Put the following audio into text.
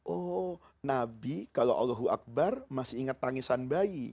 oh nabi kalau allahu akbar masih ingat tangisan bayi